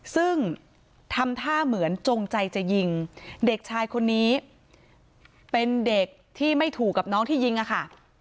ซึ่งทำท่าเหมือนจงใจจะยิงเด็กชายคนนี้เป็นเด็กที่ไม่ถูกกับน้องที่ยิงอะค่ะ